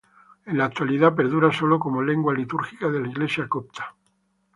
En la actualidad perdura sólo como lengua litúrgica de la Iglesia Copta.